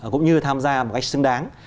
cũng như tham gia một cách xứng đáng